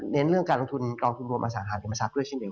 เน้นเรื่องการลงทุนกองทุนรวมอสังหาริมทรัพย์ด้วย